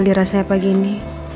damai sekali rasanya pagi ini